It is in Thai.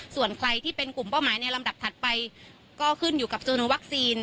ส่วนใครที่เป็นกลุ่มเป้าหมายในลำดับถัดไปก็ขึ้นอยู่กับโซโนวัคซีน